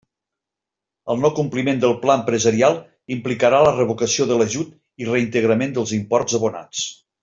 El no-compliment del pla empresarial implicarà la revocació de l'ajut i reintegrament dels imports abonats.